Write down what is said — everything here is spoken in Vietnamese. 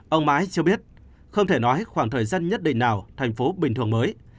ông mãi cho biết không thể nói khoảng thời gian nhất định nào thành phố bình thường mới